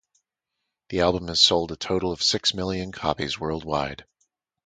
The album has sold a total of six million copies worldwide.